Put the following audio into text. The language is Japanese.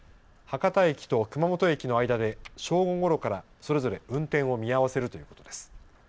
博多駅と熊本駅の間で正午ごろからそれぞれ運転を見合わせるということです。